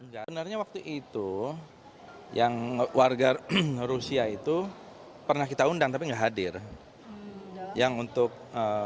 sebenarnya waktu itu yang warga rusia itu pernah kita undang tapi nggak hadir yang untuk